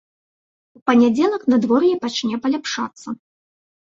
У панядзелак надвор'е пачне паляпшацца.